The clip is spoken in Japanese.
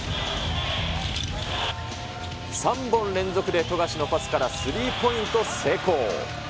３本連続で富樫のパスからスリーポイント成功。